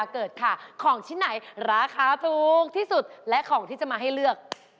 ของที่ไหนราคาถูกที่สุดและของที่จะมาให้เลือก